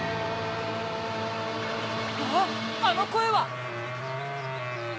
あっあのこえは！